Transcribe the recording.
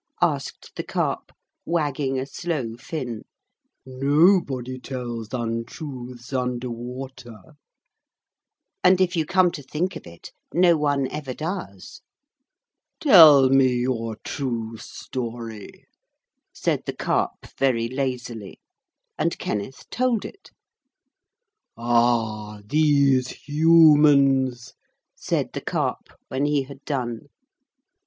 asked the Carp wagging a slow fin. 'Nobody tells untruths under water.' And if you come to think of it, no one ever does. 'Tell me your true story,' said the Carp very lazily. And Kenneth told it. 'Ah! these humans!' said the Carp when he had done.